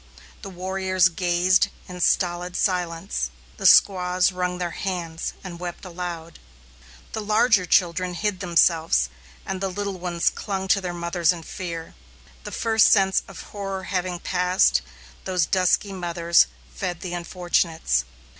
The warriors gazed in stolid silence. The squaws wrung their hands and wept aloud. The larger children hid themselves, and the little ones clung to their mothers in fear. The first sense of horror having passed, those dusky mothers fed the unfortunates.